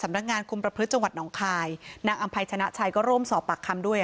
นักงานคุมประพฤติจังหวัดหนองคายนางอำภัยชนะชัยก็ร่วมสอบปากคำด้วย